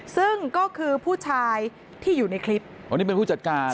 ซึ่งก็คือผู้ชายที่อยู่ในคลิปอ๋อนี่เป็นผู้จัดการ